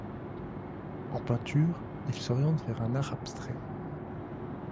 En peinture, il s'oriente vers un art abstrait.